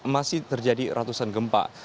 masih terjadi ratusan gempa